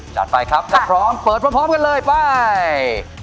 จัดไปครับถ้าพร้อมเปิดพร้อมกันเลยไป